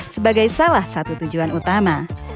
sebagai salah satu tujuan utama